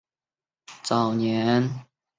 早年任小金门守备师副连长与陆军官校教官。